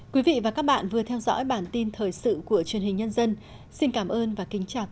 quý vị và các bạn vừa theo dõi bản tin thời sự của truyền hình nhân dân xin cảm ơn và kính chào